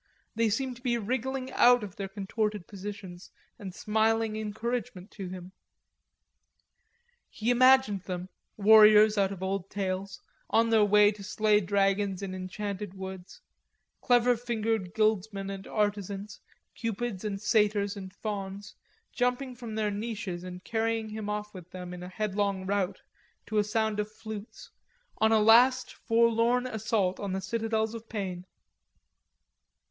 They seemed to be wriggling out of their contorted positions and smiling encouragement to him. He imagined them, warriors out of old tales, on their way to clay dragons in enchanted woods, clever fingered guildsmen and artisans, cupids and satyrs and fauns, jumping from their niches and carrying him off with them in a headlong rout, to a sound of flutes, on a last forlorn assault on the citadels of pain.